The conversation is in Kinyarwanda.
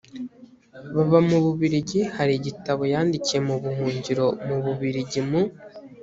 baba mu bubirigi hari igitabo yandikiye mu buhungiro mu bubirigi mu